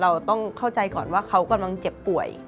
เราต้องเข้าใจก่อนว่าเขากำลังเจ็บป่วย